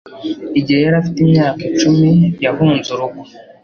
Igihe yari afite imyaka icumi yahunze urugo